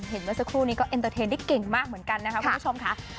เห็นเมื่อสักครู่นี้ก็เก่งมากเหมือนกันนะคะคุณผู้ชมค่ะ